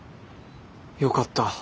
よかった。